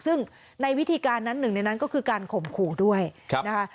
ซึ่งในวิธีการนั้นหนึ่งในนั้นก็คือการข่มขู่ด้วยนะคะ